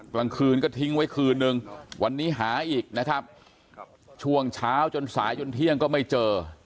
กลางคืนก็ทิ้งไว้คืนนึงวันนี้หาอีกนะครับช่วงเช้าจนสายจนเที่ยงก็ไม่เจอ